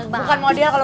buka n interessant